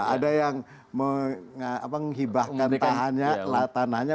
ada yang menghibahkan tanahnya